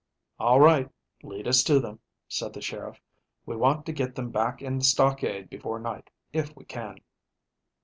"All right, lead us to them," said the sheriff. "We want to get them back in the stockade before night, if we can."